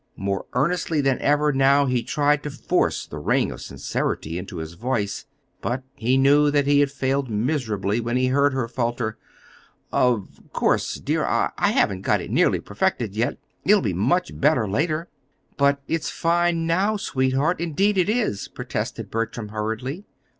More earnestly than ever, now, he tried to force the ring of sincerity into his voice; but he knew that he had miserably failed when he heard her falter: "Of course, dear, I I haven't got it nearly perfected yet. It'll be much better, later." "But it s fine, now, sweetheart indeed it is," protested Bertram, hurriedly.